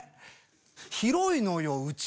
広いのようち。